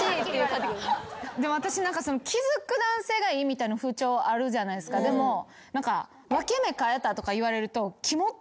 でも私気付く男性がいいみたいな風潮あるじゃないですかでも「分け目変えた？」とか言われると。